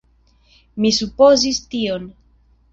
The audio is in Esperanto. Mi supozis tion.